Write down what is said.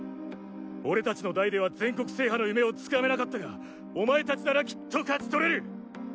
俺達の代では全国制覇の夢をつかめなかったがお前達ならきっと勝ち取れる！